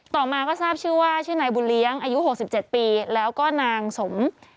ต่อมาก็ทราบชื่อว่าชื่อนายบุรีรำอายุหกสิบเจ็ดปีแล้วก็นางสม